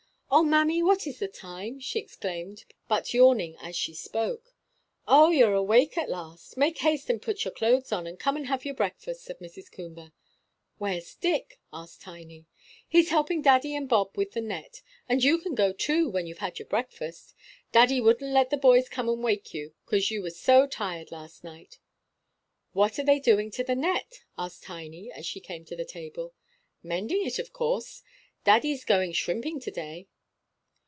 "Oh, mammy, what is the time?" she exclaimed, but yawning as she spoke. "Oh, you're awake at last. Make haste and put your clothes on, and come and have your breakfast," said Mrs. Coomber. "Where's Dick?" asked Tiny. "He's helping daddy and Bob with the net; and you can go, too, when you've had your breakfast. Daddy wouldn't let the boys come and wake you 'cos you was so tired last night." "What are they doing to the net?" asked Tiny, as she came to the table. "Mending it, of course. Daddy's going shrimping to day."